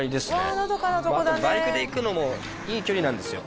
あとバイクで行くのもいい距離なんですよ